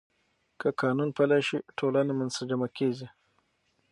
که قانون پلی شي، ټولنه منسجمه کېږي.